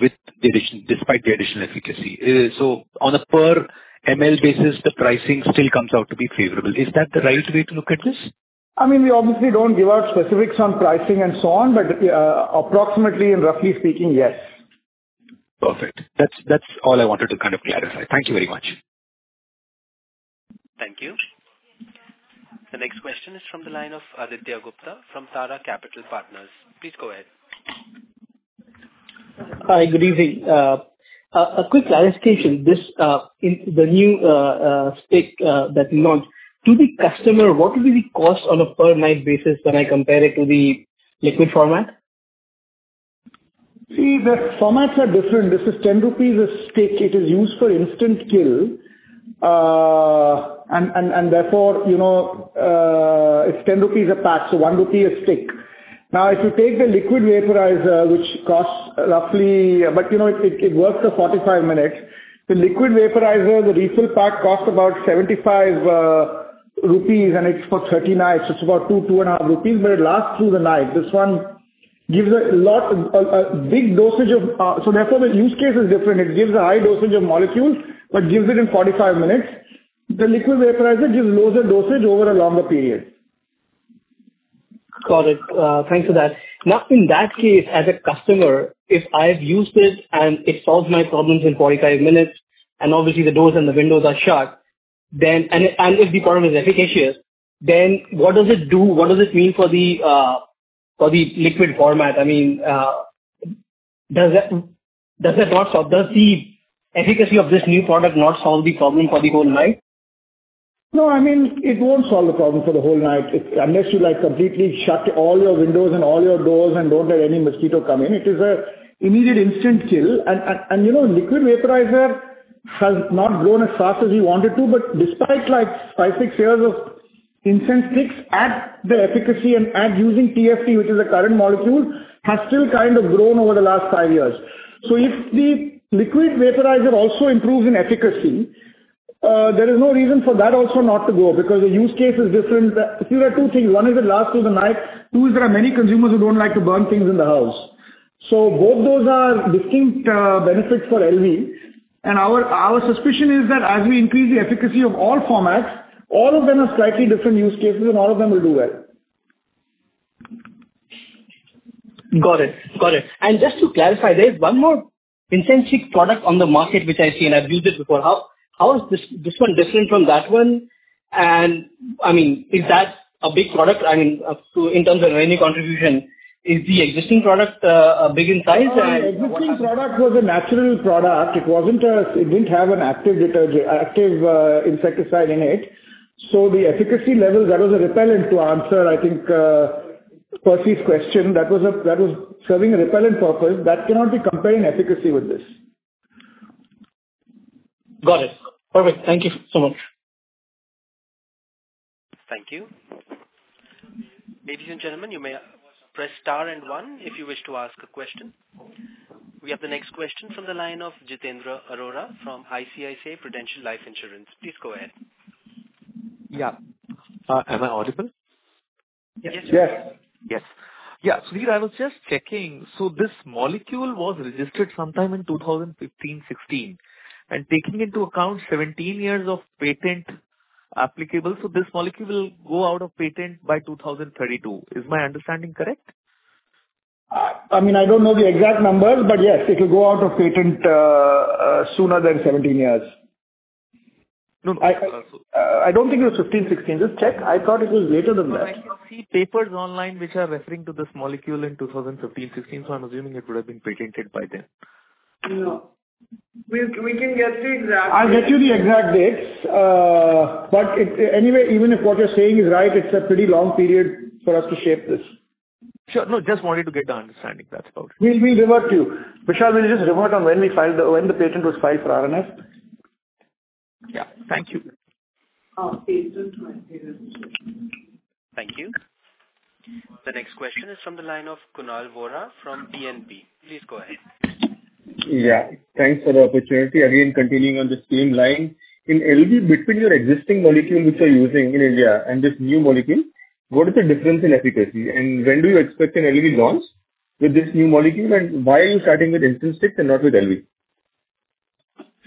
with the addition, despite the additional efficacy? So on a per ML basis, the pricing still comes out to be favorable. Is that the right way to look at this? I mean, we obviously don't give out specifics on pricing and so on, but, approximately and roughly speaking, yes. Perfect. That's all I wanted to kind of clarify. Thank you very much. Thank you. The next question is from the line of Aditya Gupta from Tara Capital Partners. Please go ahead. Hi, good evening. A quick clarification. This, in the new stick that you launched, to the customer, what will be the cost on a per night basis when I compare it to the liquid format? See, the formats are different. This is 10 rupees a stick. It is used for instant kill. And therefore, you know, it's 10 rupees a pack, so 1 rupee a stick. Now, if you take the liquid vaporizer, which costs roughly. But you know, it works for 45 minutes. The liquid vaporizer, the refill pack, costs about 75 rupees, and it's for 30 nights. It's about 2-2.5 rupees, but it lasts through the night. This one gives a lot, a big dosage of. So therefore, the use case is different. It gives a high dosage of molecules, but gives it in 45 minutes. The liquid vaporizer gives lower dosage over a longer period. Got it. Thanks for that. Now, in that case, as a customer, if I've used it, and it solves my problems in 45 minutes, and obviously the doors and the windows are shut, then... And if the product is efficacious, then what does it do? What does it mean for the liquid format? I mean, does the efficacy of this new product not solve the problem for the whole night? No, I mean, it won't solve the problem for the whole night, unless you, like, completely shut all your windows and all your doors and don't let any mosquito come in. It is a immediate instant kill. You know, liquid vaporizer has not grown as fast as we want it to, but despite, like, five to six years of incense sticks at the efficacy and at using TFT, which is the current molecule, has still kind of grown over the last five years. So if the liquid vaporizer also improves in efficacy, there is no reason for that also not to go, because the use case is different. See, there are two things: one is it lasts through the night, two, is there are many consumers who don't like to burn things in the house. So both those are distinct, benefits for LV. Our suspicion is that as we increase the efficacy of all formats, all of them are slightly different use cases, and all of them will do well. Got it. Got it. And just to clarify, there's one more incense stick product on the market, which I've seen, I've used it before. How is this one different from that one? And, I mean, is that a big product? I mean, in terms of any contribution, is the existing product big in size and what- Existing product was a natural product. It wasn't a. It didn't have an active insecticide in it, so the efficacy level, that was a repellent to answer, I think, Percy's question. That was serving a repellent purpose. That cannot be comparing efficacy with this. Got it. Perfect. Thank you so much. Thank you. Ladies and gentlemen, you may press star and one if you wish to ask a question. We have the next question from the line of Jitendra Arora from ICICI Prudential Life Insurance. Please go ahead. Yeah. Am I audible? Yes. Yes. Yes. Yeah, so I was just checking. So this molecule was registered sometime in 2015, 2016, and taking into account 17 years of patent applicable, so this molecule will go out of patent by 2032. Is my understanding correct? I mean, I don't know the exact numbers, but yes, it'll go out of patent sooner than 17 years. No, I don't think it was 15, 16. Just check. I thought it was later than that. I see papers online which are referring to this molecule in 2015, 16, so I'm assuming it would have been patented by then. No. We can get the exact- I'll get you the exact dates. But it, anyway, even if what you're saying is right, it's a pretty long period for us to shape this. Sure. No, just wanted to get the understanding. That's about it. We'll revert to you. Vishal, will you just revert on when the patent was filed for RNF? Yeah. Thank you. Patent, my patent. Thank you. The next question is from the line of Kunal Vora from BNP. Please go ahead. Yeah, thanks for the opportunity. Again, continuing on the same line. In LV, between your existing molecule, which you're using in India, and this new molecule, what is the difference in efficacy? And when do you expect an LV launch with this new molecule, and why are you starting with incense stick and not with LV?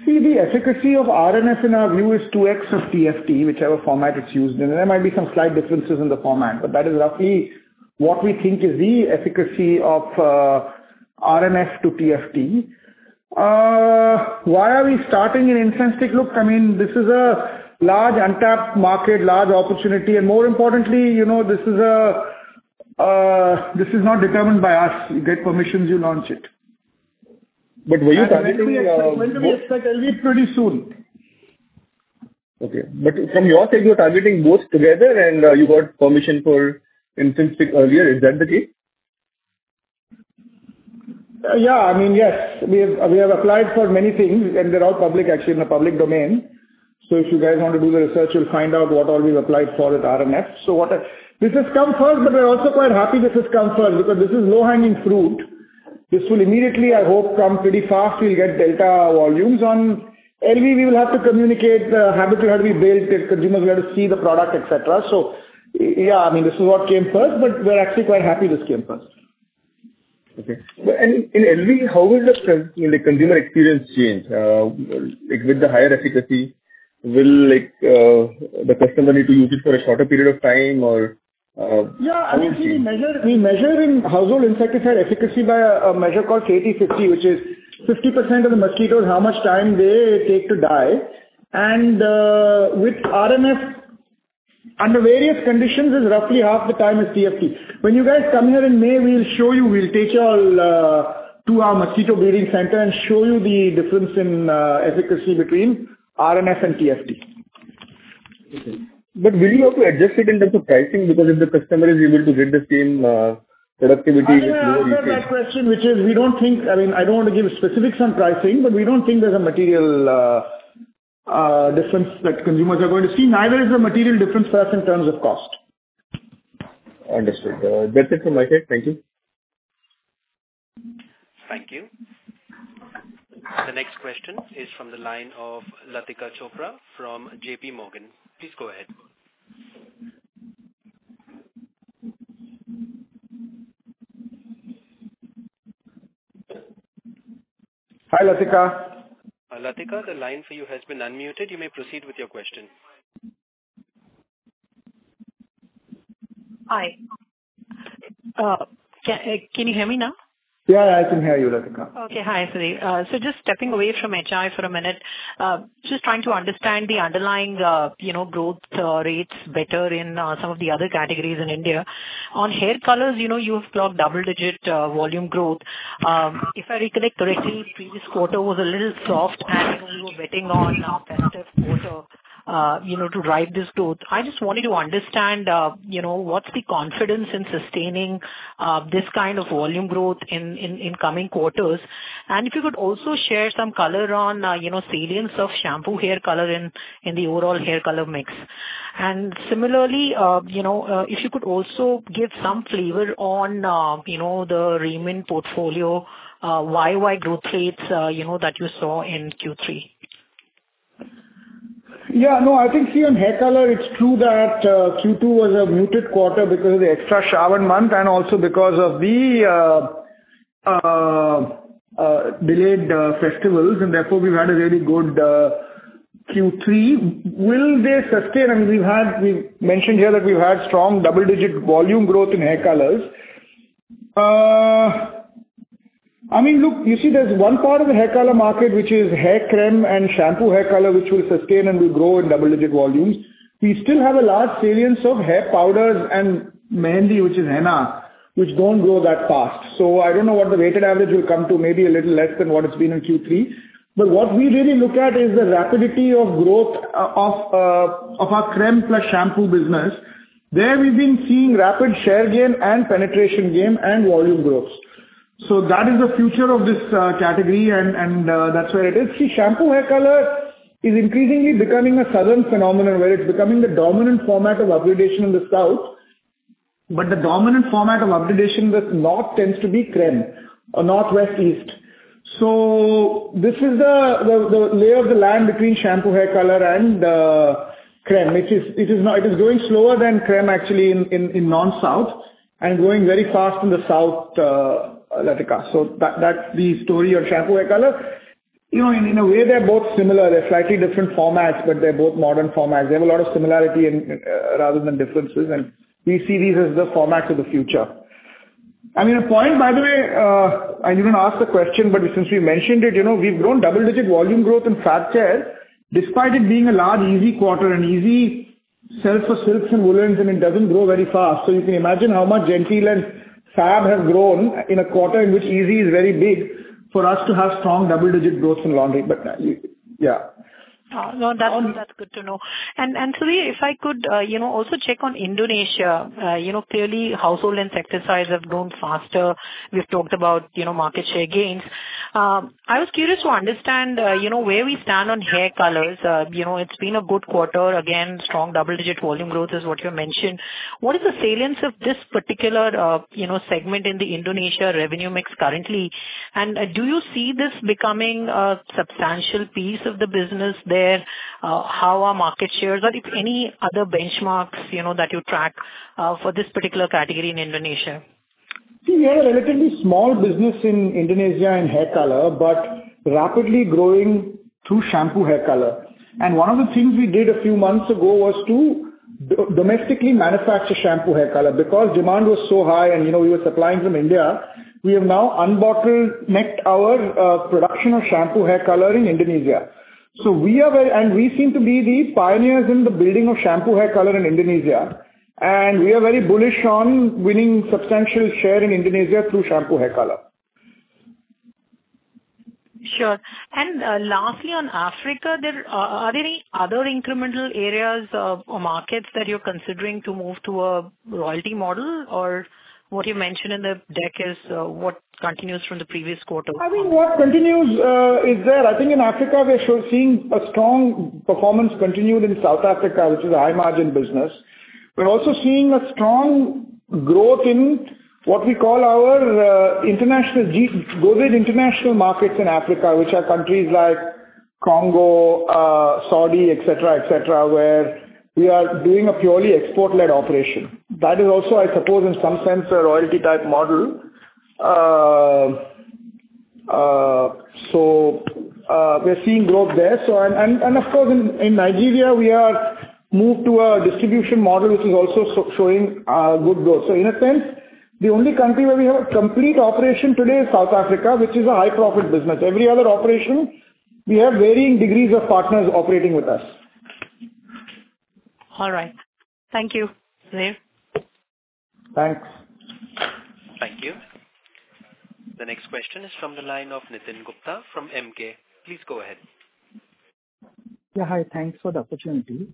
See, the efficacy of RNF in our view is 2x of TFT, whichever format it's used in. There might be some slight differences in the format, but that is roughly what we think is the efficacy of RNF to TFT. Why are we starting an incense stick? Look, I mean, this is a large untapped market, large opportunity, and more importantly, you know, this is a, this is not determined by us. You get permissions, you launch it. Were you targeting both- When do we expect LV? Pretty soon. Okay. But from your side, you're targeting both together, and you got permission for incense stick earlier. Is that the case? Yeah. I mean, yes, we have, we have applied for many things, and they're all public, actually, in the public domain. So if you guys want to do the research, you'll find out what all we've applied for at RNF. So what I... This has come first, but we're also quite happy this has come first, because this is low-hanging fruit. This will immediately, I hope, come pretty fast. We'll get delta volumes. On LV, we will have to communicate, habit will have to be built, and consumers will have to see the product, et cetera. So yeah, I mean, this is what came first, but we're actually quite happy this came first. Okay. But in LV, how will the strength, I mean, the consumer experience change? Like, with the higher efficacy, will the customer need to use it for a shorter period of time or- Yeah, I mean, we measure, we measure in household insecticide efficacy by a, a measure called KT50, which is 50% of the mosquitoes, how much time they take to die. And, with RNF, under various conditions, is roughly half the time of TFT. When you guys come here in May, we'll show you. We'll take you all, to our mosquito breeding center and show you the difference in, efficacy between RNF and TFT. Okay. But will you have to adjust it in terms of pricing? Because if the customer is able to get the same,... I will answer that question, which is, we don't think, I mean, I don't want to give specifics on pricing, but we don't think there's a material difference that consumers are going to see, neither is there a material difference for us in terms of cost. Understood. That's it from my side. Thank you. Thank you. The next question is from the line of Latika Chopra from JPMorgan. Please go ahead. Hi, Latika. Latika, the line for you has been unmuted. You may proceed with your question. Hi. Can you hear me now? Yeah, I can hear you, Latika. Okay. Hi, Sudhir. So just stepping away from HI for a minute, just trying to understand the underlying, you know, growth rates better in some of the other categories in India. On hair colors, you know, you've got double-digit volume growth. If I recollect correctly, the previous quarter was a little soft, and we were betting on our festive quarter, you know, to drive this growth. I just wanted to understand, you know, what's the confidence in sustaining this kind of volume growth in coming quarters? And if you could also share some color on, you know, salience of shampoo hair color in the overall hair color mix. And similarly, you know, if you could also give some flavor on, you know, the Raymond portfolio, why, why growth rates, you know, that you saw in Q3? Yeah, no, I think here in hair color, it's true that Q2 was a muted quarter because of the extra Shravan month, and also because of the delayed festivals, and therefore, we've had a very good Q3. Will this sustain? And we've had... We've mentioned here that we've had strong double-digit volume growth in hair colors. I mean, look, you see there's one part of the hair color market, which is hair cream and shampoo hair color, which will sustain and will grow in double-digit volumes. We still have a large salience of hair powders and mehendi, which is henna, which don't grow that fast. So I don't know what the weighted average will come to, maybe a little less than what it's been in Q3. But what we really look at is the rapidity of growth of our crème plus shampoo business. There, we've been seeing rapid share gain and penetration gain and volume growth. So that is the future of this category, and that's where it is. See, shampoo hair color is increasingly becoming a Southern phenomenon, where it's becoming the dominant format of upgradation in the South, but the dominant format of upgradation with North tends to be crème, or North, West, East. So this is the lay of the land between shampoo hair color and crème. It is not. It is growing slower than crème, actually, in North South, and growing very fast in the South, Latika. So that's the story of shampoo hair color. You know, in a way, they're both similar. They're slightly different formats, but they're both modern formats. They have a lot of similarity in, rather than differences, and we see these as the format of the future. I mean, a point, by the way, I didn't ask the question, but since we mentioned it, you know, we've grown double-digit volume growth in Fab care, despite it being a large, Ezee quarter and Ezee sell for silks and woolens, and it doesn't grow very fast. So you can imagine how much Genteel and Fab have grown in a quarter in which Ezee is very big for us to have strong double-digit growth in laundry, but, yeah. No, that's good to know. And Sudhir, if I could, you know, also check on Indonesia. You know, clearly, Household Insecticides have grown faster. We've talked about, you know, market share gains. I was curious to understand, you know, where we stand on hair colors. You know, it's been a good quarter. Again, strong double-digit volume growth is what you mentioned. What is the salience of this particular, you know, segment in the Indonesia revenue mix currently? And do you see this becoming a substantial piece of the business there? How are market shares, or if any other benchmarks, you know, that you track, for this particular category in Indonesia? See, we have a relatively small business in Indonesia, in hair color, but rapidly growing through shampoo hair color. And one of the things we did a few months ago was to domestically manufacture shampoo hair color, because demand was so high and, you know, we were supplying from India, we have now unbottlenecked our production of shampoo hair color in Indonesia. So we are very. And we seem to be the pioneers in the building of shampoo hair color in Indonesia, and we are very bullish on winning substantial share in Indonesia through shampoo hair color. Sure. Lastly, on Africa, are there any other incremental areas or markets that you're considering to move to a royalty model, or what you mentioned in the deck is what continues from the previous quarter? I mean, what continues, I think in Africa, we're seeing a strong performance continued in South Africa, which is a high-margin business. We're also seeing a strong growth in what we call our international GAUM international markets in Africa, which are countries like Congo, Saudi, et cetera, et cetera, where we are doing a purely export-led operation. That is also, I suppose, in some sense, a royalty-type model. So, we're seeing growth there. So, of course, in Nigeria, we are moved to a distribution model, which is also showing good growth. So in a sense, the only country where we have a complete operation today is South Africa, which is a high-profit business. Every other operation, we have varying degrees of partners operating with us. All right. Thank you, Sudhir. Thanks. Thank you. The next question is from the line of Nitin Gupta from Emkay. Please go ahead.... Yeah, hi. Thanks for the opportunity.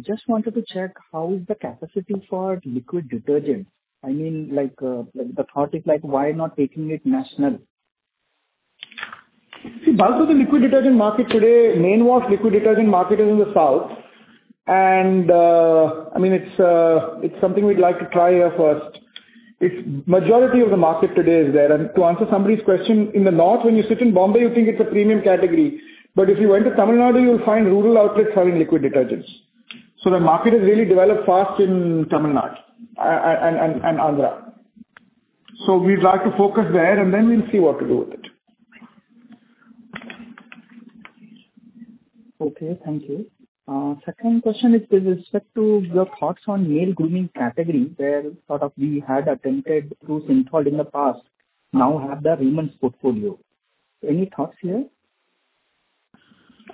Just wanted to check, how is the capacity for liquid detergent? I mean, like, the thought is like, why not taking it national? See, back to the liquid detergent market today, main wash liquid detergent market is in the South, and, I mean, it's something we'd like to try here first. It's majority of the market today is there. And to answer somebody's question, in the North, when you sit in Bombay, you think it's a premium category, but if you went to Tamil Nadu, you'll find rural outlets selling liquid detergents. So the market has really developed fast in Tamil Nadu, and Andhra. So we'd like to focus there, and then we'll see what to do with it. Okay, thank you. Second question is with respect to your thoughts on male grooming category, where sort of we had attempted through Cinthol in the past, now have the Raymond's portfolio. Any thoughts here?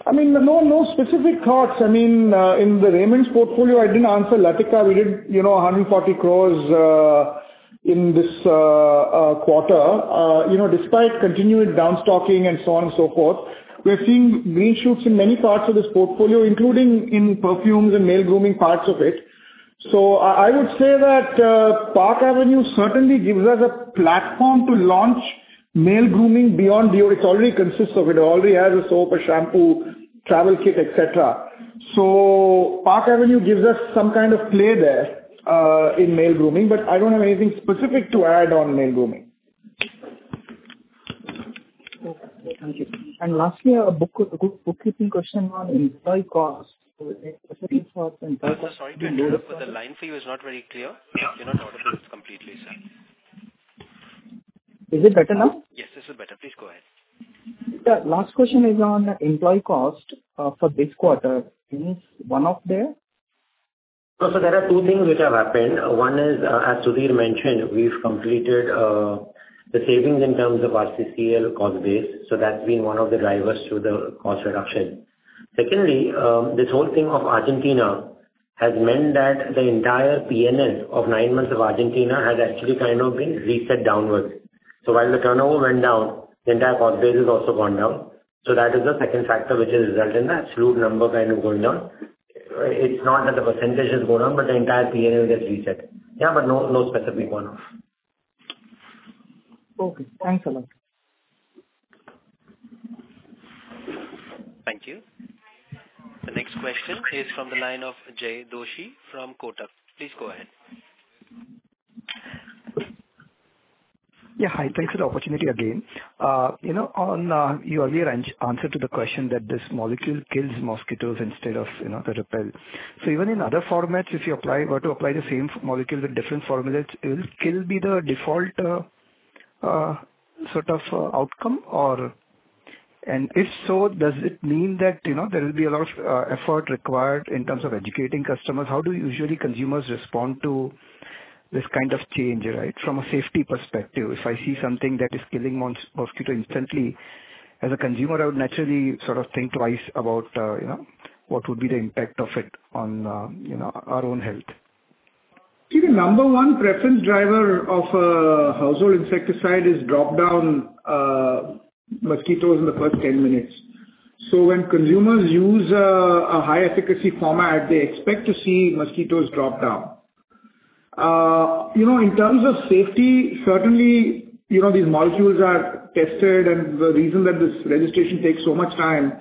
I mean, no, no specific thoughts. I mean, in Raymond's portfolio, I didn't answer Latika. We did, you know, 140 crore in this quarter. You know, despite continuing down stocking and so on and so forth, we are seeing green shoots in many parts of this portfolio, including in perfumes and male grooming parts of it. So I, I would say that, Park Avenue certainly gives us a platform to launch male grooming beyond deo. It already consists of it. It already has a soap, a shampoo, travel kit, et cetera. So Park Avenue gives us some kind of play there, in male grooming, but I don't have anything specific to add on male grooming. Okay, thank you. Lastly, a bookkeeping question on employee cost. Sorry to interrupt, but the line for you is not very clear. Yeah. You're not audible completely, sir. Is it better now? Yes, this is better. Please go ahead. Yeah, last question is on employee cost for this quarter. Is it one-off there? So there are two things which have happened. One is, as Sudhir mentioned, we've completed, the savings in terms of our RCCL cost base, so that's been one of the drivers to the cost reduction. Secondly, this whole thing of Argentina has meant that the entire P&L of nine months of Argentina has actually kind of been reset downwards. So while the turnover went down, the entire cost base has also gone down. So that is the second factor which has resulted in the absolute number kind of going down. It's not that the percentage has gone down, but the entire P&L gets reset. Yeah, but no, no specific one-off. Okay, thanks a lot. Thank you. The next question is from the line of Jay Doshi from Kotak. Please go ahead. Yeah, hi. Thanks for the opportunity again. You know, on your earlier answer to the question, that this molecule kills mosquitoes instead of, you know, the repel. So even in other formats, if you were to apply the same molecule with different formulas, it will kill, be the default sort of outcome or. And if so, does it mean that, you know, there will be a lot of effort required in terms of educating customers? How do usually consumers respond to this kind of change, right? From a safety perspective, if I see something that is killing mosquito instantly, as a consumer, I would naturally sort of think twice about, you know, what would be the impact of it on, you know, our own health. See, the number one preference driver of a household insecticide is drop down, mosquitoes in the first 10 minutes. So when consumers use a high efficacy format, they expect to see mosquitoes drop down. You know, in terms of safety, certainly, you know, these molecules are tested, and the reason that this registration takes so much time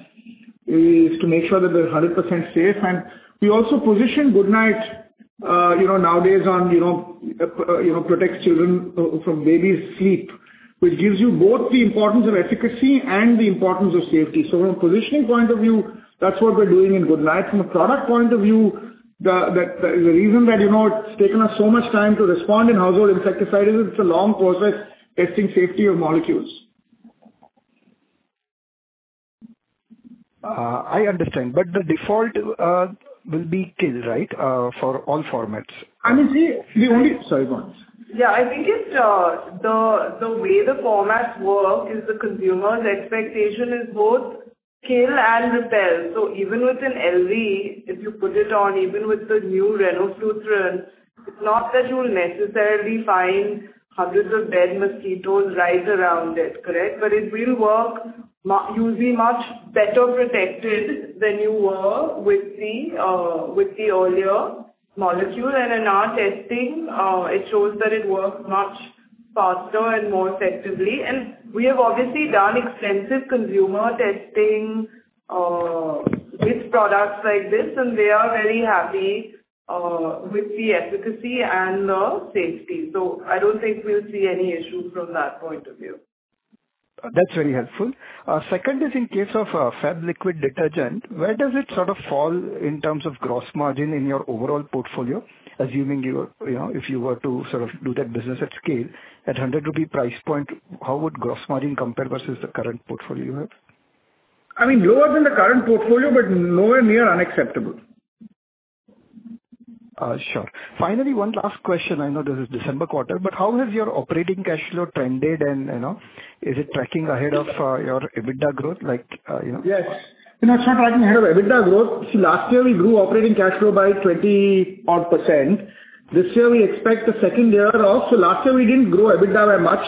is to make sure that they're 100% safe. And we also position Goodknight, you know, nowadays on, you know, protects children from babies' sleep, which gives you both the importance of efficacy and the importance of safety. So from a positioning point of view, that's what we're doing in Goodknight. From a product point of view, the reason that, you know, it's taken us so much time to respond in household insecticides, is it's a long process testing safety of molecules. I understand, but the default will be kill, right, for all formats? I mean, the only- Sorry, go on. Yeah, I think it's the way the formats work is the consumer's expectation is both kill and repel. So even with an LV, if you put it on, even with the new Renofluthrin, it's not that you'll necessarily find hundreds of dead mosquitoes right around it, correct? But it will work. You'll be much better protected than you were with the earlier molecule. And in our testing, it shows that it works much faster and more effectively. And we have obviously done extensive consumer testing with products like this, and they are very happy with the efficacy and the safety. So I don't think we'll see any issue from that point of view. That's very helpful. Second is, in case of Fab liquid detergent, where does it sort of fall in terms of gross margin in your overall portfolio? Assuming you, you know, if you were to sort of do that business at scale, at 100 rupee price point, how would gross margin compare versus the current portfolio you have? I mean, lower than the current portfolio, but nowhere near unacceptable. Sure. Finally, one last question. I know this is December quarter, but how has your operating cash flow trended, and, you know, is it tracking ahead of, your EBITDA growth, like, you know? Yes. You know, it's not tracking ahead of EBITDA growth. See, last year we grew operating cash flow by 20-odd%. This year we expect the second year off. So last year we didn't grow EBITDA by much....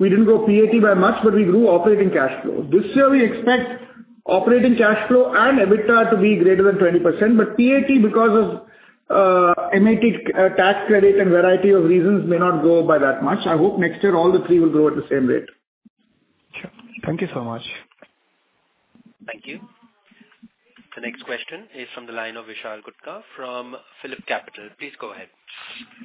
We didn't grow PAT by much, but we grew operating cash flow. This year, we expect operating cash flow and EBITDA to be greater than 20%, but PAT, because of MAT tax credit and variety of reasons, may not grow by that much. I hope next year all the three will grow at the same rate. Sure. Thank you so much. Thank you. The next question is from the line of Vishal Gutka from PhillipCapital. Please go ahead.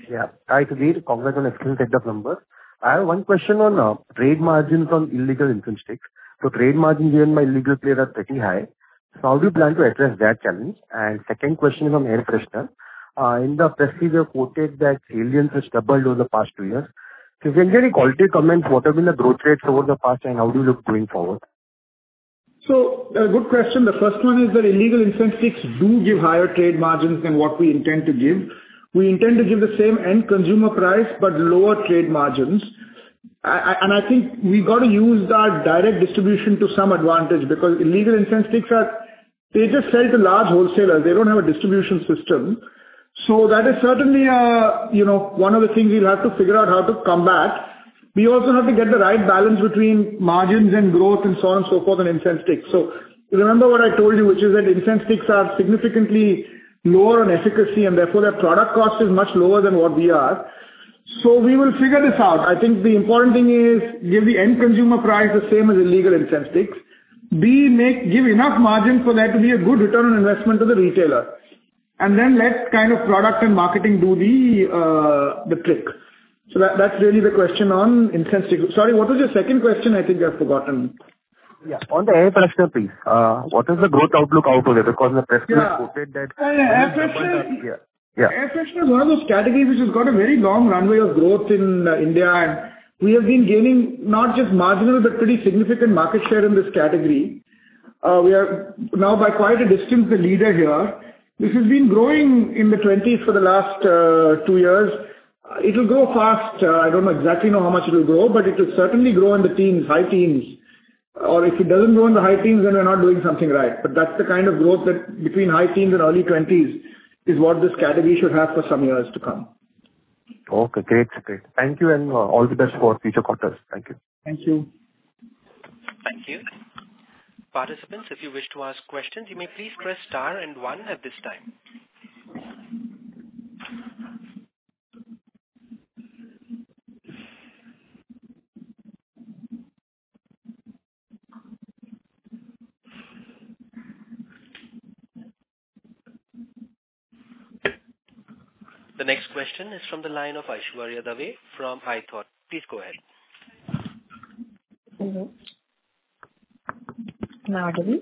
Yeah. Hi, Sudhir. Congrats on excellent set of numbers. I have one question on trade margins on illegal incense sticks. So trade margins given by illegal players are pretty high, so how do you plan to address that challenge? And second question is on air freshener. In the press, we have quoted that Aer has doubled over the past two years. So if you can give me quality comments, what have been the growth rates over the past, and how do you look going forward? So, a good question. The first one is that illegal incense sticks do give higher trade margins than what we intend to give. We intend to give the same end consumer price, but lower trade margins. I think we've got to use that direct distribution to some advantage, because illegal incense sticks are, they just sell to large wholesalers. They don't have a distribution system. So that is certainly, you know, one of the things we'll have to figure out how to combat. We also have to get the right balance between margins and growth, and so on and so forth, on incense sticks. So remember what I told you, which is that incense sticks are significantly lower on efficacy, and therefore, their product cost is much lower than what we are. So we will figure this out. I think the important thing is give the end consumer price the same as illegal incense sticks. B, make, give enough margin for there to be a good return on investment to the retailer. And then let kind of product and marketing do the, the trick. So that, that's really the question on incense sticks. Sorry, what was your second question? I think I've forgotten. Yeah. On the air freshener, please. What is the growth outlook out there? Because the press has- Yeah. -quoted that- Air freshener- Yeah. Yeah. Air freshener is one of those categories which has got a very long runway of growth in India, and we have been gaining not just marginal, but pretty significant market share in this category. We are now by quite a distance, the leader here. This has been growing in the 20s for the last two years. It'll grow fast. I don't exactly know how much it will grow, but it will certainly grow in the teens, high teens. Or if it doesn't grow in the high teens, then we're not doing something right. But that's the kind of growth that between high teens and early 20s, is what this category should have for some years to come. Okay, great. Great. Thank you, and all the best for future quarters. Thank you. Thank you. Thank you. Participants, if you wish to ask questions, you may please press star and one at this time. The next question is from the line of Aishwarya Dave from Haitong. Please go ahead. Hello. May I begin?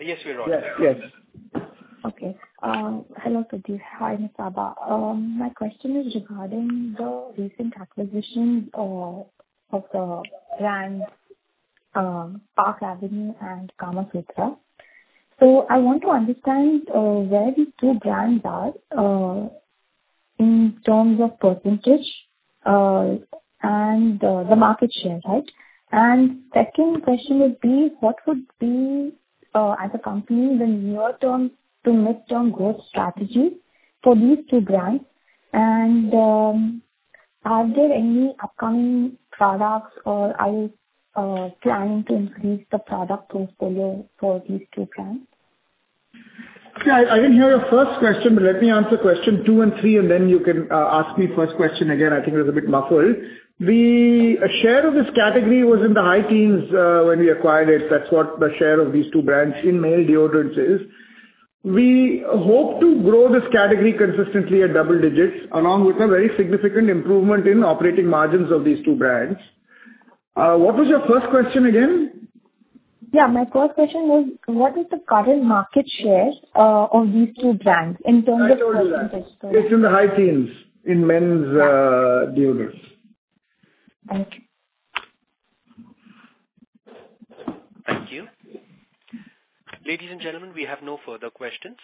Yes, we are on. Yes, yes. Okay. Hello, Sudhir. Hi, Nisaba. My question is regarding the recent acquisition of the brands Park Avenue and Kamasutra. So I want to understand where these two brands are in terms of percentage and the market share, right? And second question would be, what would be as a company the near-term to midterm growth strategy for these two brands? And are there any upcoming products or are you planning to increase the product portfolio for these two brands? Yeah, I didn't hear your first question, but let me answer question two and three, and then you can ask me first question again. I think it was a bit muffled. The a share of this category was in the high teens when we acquired it. That's what the share of these two brands in male deodorants is. We hope to grow this category consistently at double digits, along with a very significant improvement in operating margins of these two brands. What was your first question again? Yeah. My first question was, what is the current market share of these two brands in terms of- I told you that. Percentage. It's in the high teens, in men's deodorants. Thank you. Thank you. Ladies and gentlemen, we have no further questions.